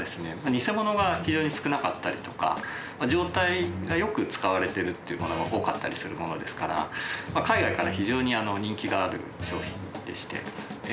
偽物が非常に少なかったりとか状態が良く使われてるっていうものが多かったりするものですから海外から非常に人気がある商品でして。